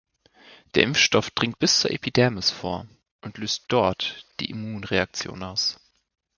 Der Impfstoff dringt bis zur Epidermis vor und löst dort die Immunreaktion aus.